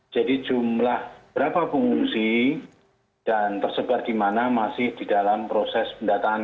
jadi jumlah berapa pengungsi dan tersebar di mana masih di dalam proses pendataan